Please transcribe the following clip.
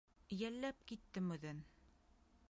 Йәлләп киттем үҙен.